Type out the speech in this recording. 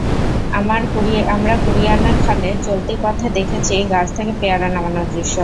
আমরা কুরিয়ানার খালে চলতি পথে দেখেছি গাছ থেকে পেয়ারা নামানোর দৃশ্য।